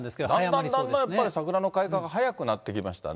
だんだんだんだん桜の開花が早くなってきましたね。